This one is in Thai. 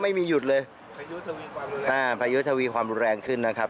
ไม่มีหยุดเลยพายุทวีความอ่าพายุทวีความรุนแรงขึ้นนะครับ